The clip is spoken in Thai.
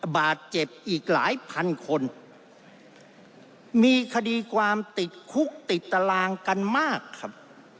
บาดเจ็บอีกหลายพันคนมีคดีความติดคุกติดตารางกันมากครับ